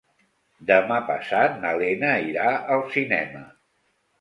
Demà passat na Lena irà al cinema.